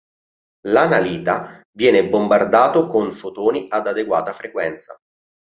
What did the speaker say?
L'analita viene bombardato con fotoni ad adeguata frequenza.